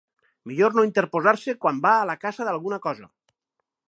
Millor no interposar-se quan va a la caça d'alguna cosa.